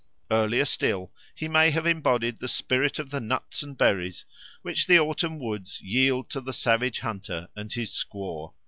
Earlier still he may have embodied the spirit of the nuts and berries which the autumn woods yield to the savage hunter and his squaw.